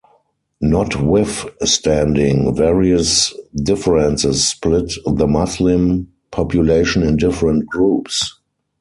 Notwithstanding, various differences split the Muslim population in different groups.